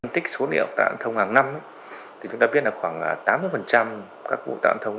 tích số liệu tai nạn giao thông hàng năm chúng ta biết là khoảng tám mươi các vụ tai nạn giao thông